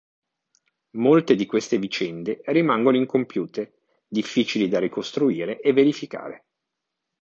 Molte di queste vicende rimangono incompiute, difficili da ricostruire e verificare.